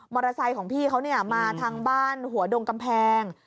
ไซค์ของพี่เขามาทางบ้านหัวดงกำแพง